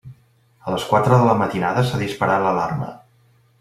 A les quatre de la matinada s'ha disparat l'alarma.